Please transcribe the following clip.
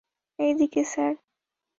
এইদিকে, স্যার।